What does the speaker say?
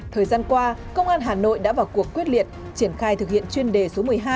thời gian qua công an hà nội đã vào cuộc quyết liệt triển khai thực hiện chuyên đề số một mươi hai